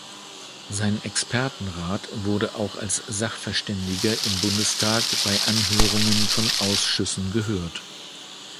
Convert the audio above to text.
Sein Expertenrat wurde auch als Sachverständiger im Bundestag bei Anhörungen von Ausschüssen gehört.